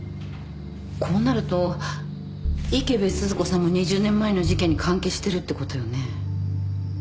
こうなると池部鈴子さんも２０年前の事件に関係してるってことよね？